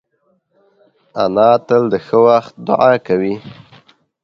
انا تل د ښه وخت دعا کوي